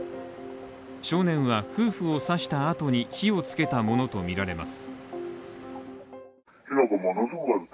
少年は夫婦を刺したあとに火をつけたものとみられます。